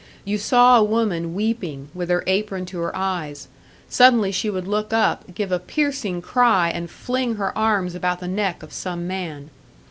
You saw a woman weeping, with her apron to her eyes; suddenly she would look up, give a piercing cry, and fling her arms about the neck of some man.